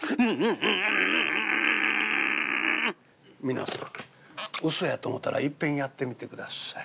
皆さん嘘やと思たらいっぺんやってみて下さい。